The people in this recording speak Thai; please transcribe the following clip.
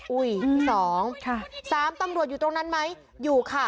อุ้ย๒๓ตำรวจอยู่ตรงนั้นไหมอยู่ค่ะ